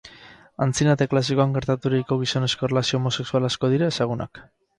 Antzinate klasikoan gertaturiko gizonezko erlazio homosexual asko dira ezagunak.